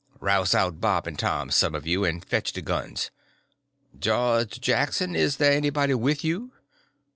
Rouse out Bob and Tom, some of you, and fetch the guns. George Jackson, is there anybody with you?"